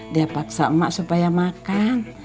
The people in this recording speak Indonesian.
dia paksa emak supaya makan